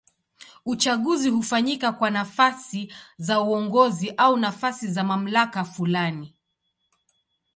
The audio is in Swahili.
Uchaguzi hufanyika kwa nafasi za uongozi au nafasi za mamlaka fulani.